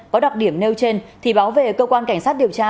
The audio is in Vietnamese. có đặc điểm nêu trên thì báo về cơ quan cảnh sát điều tra